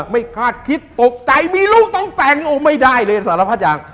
ไม่คาดคิดตกใจมีลูกต้องแต่งโอ้ไม่ได้เลยสารพัดอย่าง